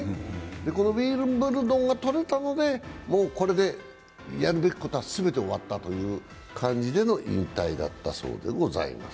このウィンブルドンが取れたので、もうこれでやるべきことは全て終わったという感じでの引退だったそうでございます。